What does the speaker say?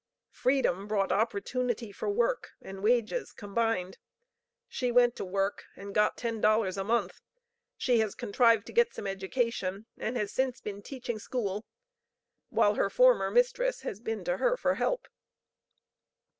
Freedom brought opportunity for work and wages combined. She went to work, and got ten dollars a month. She has contrived to get some education, and has since been teaching school. While her former mistress has been to her for help.